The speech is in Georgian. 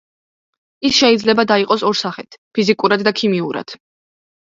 ის შეიძლება დაიყოს ორ სახედ: ფიზიკურად და ქიმიურად.